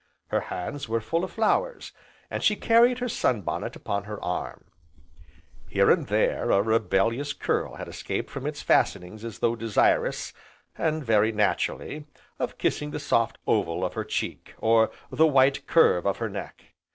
Her hands were full of flowers, and she carried her sun bonnet upon her arm. Here and there a rebellious curl had escaped from its fastenings as though desirous (and very naturally) of kissing the soft oval of her cheek, or the white curve of her neck.